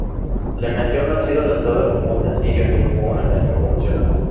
La canción no ha sido lanzada como un sencillo ni como una canción promocional.